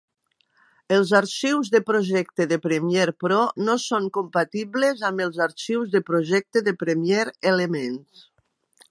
Els arxius de projecte de Premiere Pro no són compatibles amb els arxius de projecte de Premiere Elements.